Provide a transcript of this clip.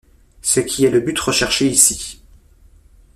Ce qui est le but recherché ici.